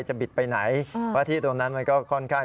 บิดไปไหนเพราะที่ตรงนั้นมันก็ค่อนข้าง